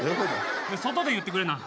外で言ってくれな。